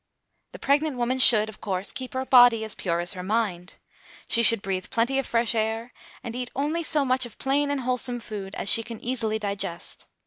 The pregnant woman should, of course, keep her body as pure as her mind. She should breathe plenty of fresh air, and eat only so much of plain and wholesome food as she can easily digest.